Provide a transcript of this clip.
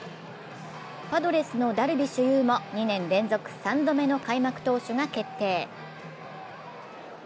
パドレスのダルビッシュ有も２年連続３度目の開幕投手が決定。